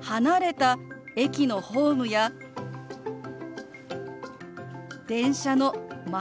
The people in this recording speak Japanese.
離れた駅のホームや電車の窓